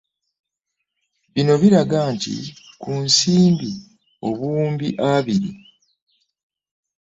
Bino biraga nti ku nsimbi obuwumbi abiri